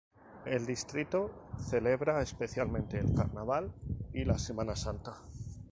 El distrito celebra especialmente el carnaval y la Semana Santa.